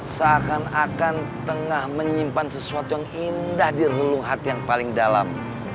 seakan akan tengah menyimpan sesuatu yang indah di reluhat yang paling dalam